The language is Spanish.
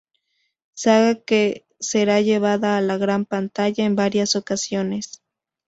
Saga que será llevada a la gran pantalla en varias ocasiones.